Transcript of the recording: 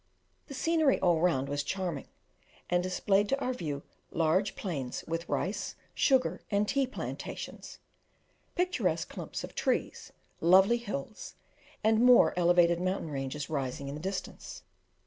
The scenery all round was charming, and displayed to our view large plains with rice, sugar, and tea plantations, picturesque clumps of trees, lovely hills, and more elevated mountain ranges rising in the distance.